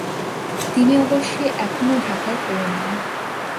তিনি অবশ্যি এখনো ঢাকায় ফেরেননি।